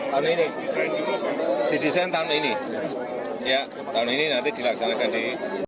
hai aneh ini di desain tahun ini ya tahun ini nanti dilaksanakan di